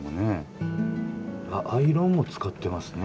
アイロンも使ってますね。